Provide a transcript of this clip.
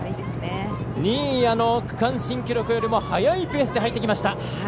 新谷の区間新記録よりも速いペースで入ってきました。